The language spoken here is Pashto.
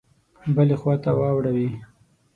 بلي خواته واړوي.